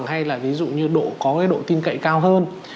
hay là ví dụ như độ có cái độ tin cậy cao hơn